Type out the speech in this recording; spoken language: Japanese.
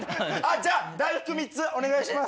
じゃあ大福３つお願いします。